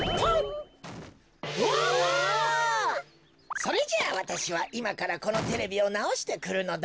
それじゃあわたしはいまからこのテレビをなおしてくるのだ。